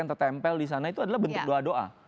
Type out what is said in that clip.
yang tertempel di sana itu adalah bentuk doa doa